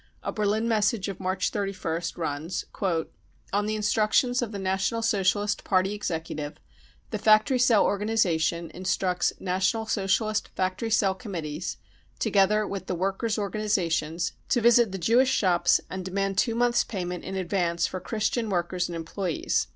A Berlin message of March 31st runs :" On the instructions of the National Socialist Party Executive, the factory cell organisation instructs National Socialist factory cell committees, together with the workers 5 organisations, to visit the Jewish shops and demand two months 5 payment in advance for Christian workers and employees.